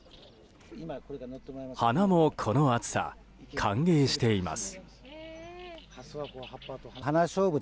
花も、この暑さ歓迎しています。